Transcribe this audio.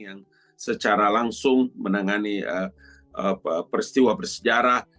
yang secara langsung menangani peristiwa bersejarah